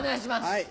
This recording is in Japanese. はい。